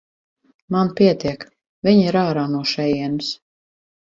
Man pietiek, viņa ir ārā no šejienes.